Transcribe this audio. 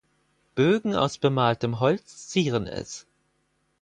Bögen aus bemaltem Holz zieren es.